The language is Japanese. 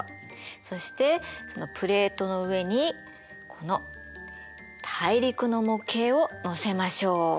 そしてプレートの上にこの大陸の模型をのせましょう。